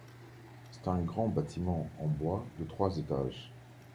C'est un grand bâtiment en bois de trois étages.